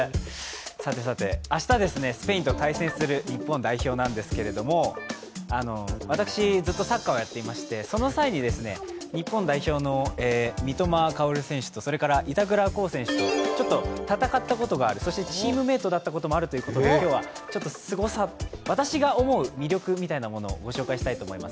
さてさて、明日スペインと対戦する日本代表なんですけれども、私ずっとサッカーをやっていまして、その際に日本代表の三笘薫選手と、それから板倉滉選手とちょっと戦ったことがある、そしてチームメイトだったこともあるということで、今日はすごさ、私が思う魅力みたいなものをご紹介したいと思います。